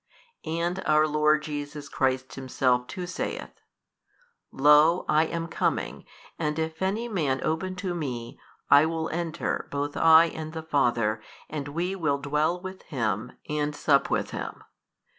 And our Lord Jesus Christ Himself too saith, Lo I am coming and if any man open to Me, I will enter both I and the Father and we will dwell with him and sup with him.